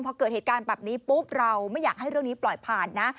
พอเกิดเหตุการณ์แบบนี้ปุ๊บเราไม่อยากให้เรื่องนี้ปล่อยผ่านนะ